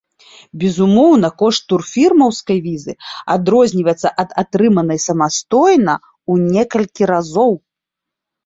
Безумоўна, кошт турфірмаўскай візы адрозніваецца ад атрыманай самастойна ў некалькі разоў.